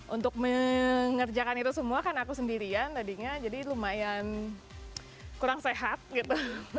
untuk mengerjakan itu semua kan aku sendirian tadinya jadi lumayan kurang sehat gitu